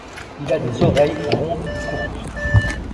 Il a des oreilles rondes et courtes.